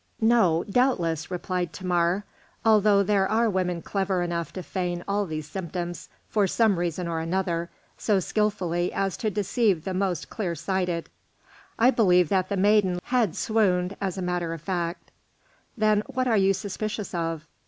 "No, doubtless," replied Thamar, "although there are women clever enough to feign all these symptoms, for some reason or another, so skilfully as to deceive the most clear sighted. I believe that the maiden had swooned, as a matter of fact." "Then what are you suspicious of?"